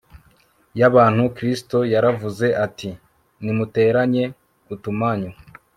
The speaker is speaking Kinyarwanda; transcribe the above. yabantu Kristo yaravuze ati Nimuteranye utumanyu